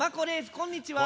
こんにちは。